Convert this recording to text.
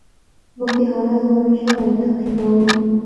موږ د حالت لوړې ژورې تعقیبوو.